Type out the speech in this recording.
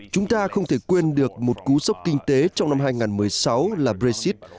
chúng ta không thể quên được một cú sốc kinh tế trong năm hai nghìn một mươi sáu là brexit